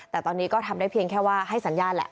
แต่ตอนนี้ก็ทำได้เพียงแค่ว่าให้สัญญาณแหละ